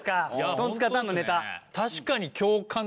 トンツカタンのネタ。